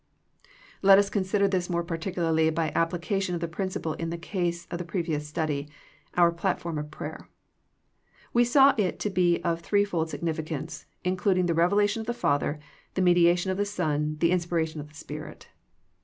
Let us consider this more particularly by ap plication of the principle in the case of the pre vious study, our platform of prayer. We saw it to be of threefold significance, including the rev elation of the Father, the mediation of the Son, the inspiration of the Spirit.